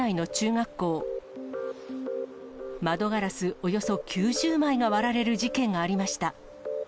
およそ９０枚が割られる事件がありました。